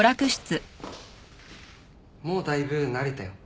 もうだいぶ慣れたよ。